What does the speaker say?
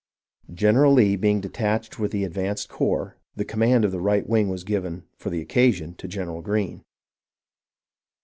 General Lee being detached with the advanced corps, the com mand of the right wing was given, for the occasion, to General Greene.